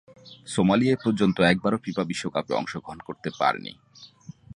Somalia এপর্যন্ত একবারও FIFA বিশ্বকাপে অংশগ্রহণ করতে পারেনি।